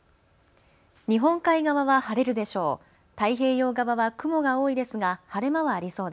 日本海側は晴れるでしょう。